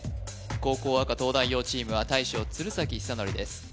後攻赤東大王チームは大将鶴崎修功です